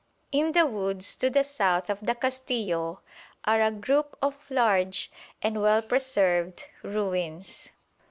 In the woods to the south of the Castillo are a group of large and well preserved ruins.